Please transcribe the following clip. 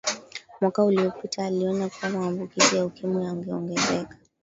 mwaka uliopita alionya kuwa maambukizi ya ukimwi yangeongezeka